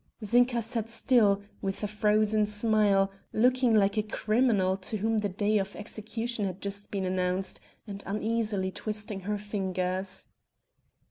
Zinka sat still, with a frozen smile, looking like a criminal to whom the day of execution had just been announced, and uneasily twisting her fingers.